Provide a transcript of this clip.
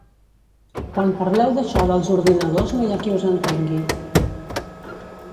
Quan parleu d'això dels ordinadors no hi ha qui us entengui.